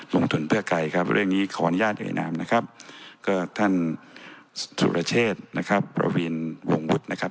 ทุนเพื่อใครครับเรื่องนี้ขออนุญาตเอ่ยนามนะครับก็ท่านสุรเชษนะครับประวีนวงวุฒินะครับ